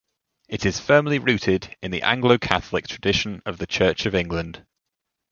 It is firmly rooted in the Anglo-Catholic tradition of the Church of England.